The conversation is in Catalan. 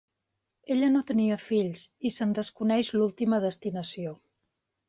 Ella no tenia fills i se'n desconeix l'última destinació.